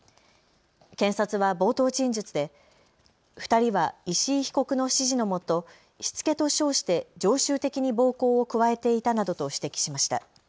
検察は冒頭陳述で２人は石井被告の指示のもとしつけと称して常習的に暴行を加えていたなどと指摘しました。